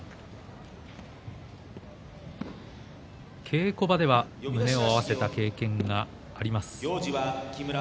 稽古場では胸を合わせた経験があります。